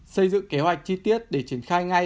xây dựng kế hoạch chi tiết để triển khai ngay